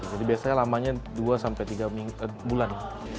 jadi biasanya lamanya dua sampai tiga bulan